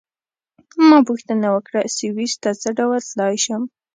ما پوښتنه وکړه: سویس ته څه ډول تلای شم؟